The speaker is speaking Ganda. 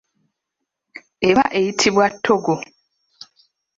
Eba eyitibwa ttoggo.